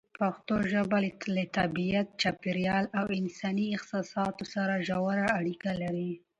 پښتو ژبه له طبیعت، چاپېریال او انساني احساساتو سره ژوره اړیکه لري.